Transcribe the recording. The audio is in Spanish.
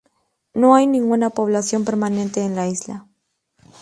No hay ninguna población permanente en la isla.